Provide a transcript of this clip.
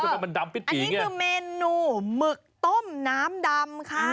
มันดำอันนี้คือเมนูหมึกต้มน้ำดำค่ะ